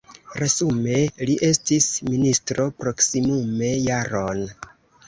Resume li estis ministro proksimume jaron.